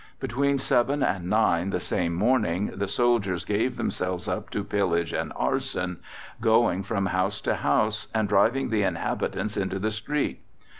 Between 7 and 9 the same morning the soldiers gave themselves up to pillage and arson, going from house to house and driving the inhabitants into the street.